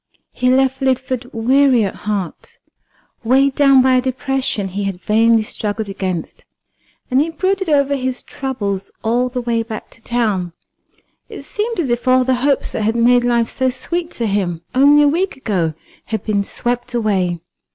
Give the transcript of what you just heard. He left Lidford weary at heart, weighed down by a depression he had vainly struggled against, and he brooded over his troubles all the way back to town. It seemed as if all the hopes that had made life so sweet to him only a week ago had been swept away.